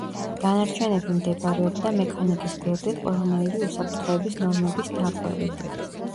დანარჩენები მდებარეობდა მექანიკის გვერდით ყველანაირი უსაფრთხოების ნორმების დარღვევით.